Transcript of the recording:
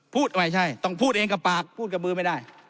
ไม่ใช่ต้องพูดเองกับปากพูดกับมือไม่ได้